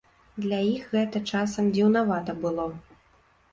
Для іх гэта часам дзіўнавата было.